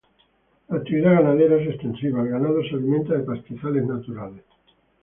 La actividad ganadera es extensiva, el ganado se alimenta de pastizales naturales.